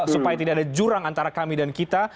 supaya tidak ada jurang antara kami dan kita